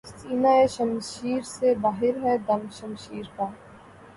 سینہٴ شمشیر سے باہر ہے دم شمشیر کا